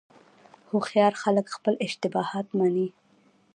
هوښیار خلک خپل اشتباهات مني.